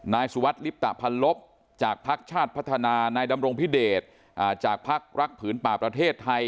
นายสุวัสดิลิปตะพันลบจากภักดิ์ชาติพัฒนานายดำรงพิเดชจากภักดิ์รักผืนป่าประเทศไทย